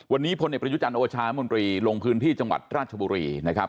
วันนี้พลเอกประยุจันทร์โอชามนตรีลงพื้นที่จังหวัดราชบุรีนะครับ